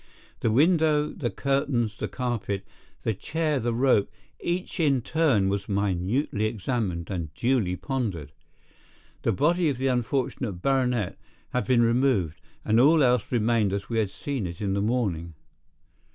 The window, the curtains, the carpet, the chair, the rope—each in turn was minutely examined and duly pondered. The body of the unfortunate baronet had been removed, and all else remained as we had seen it in the morning.